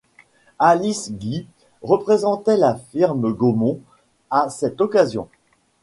Alice Guy représentait la firme Gaumont à cette occasion.